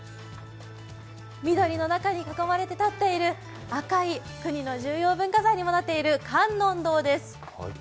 緑の中に囲まれて立っている赤い国の重要文化財にもなっている、観音堂です。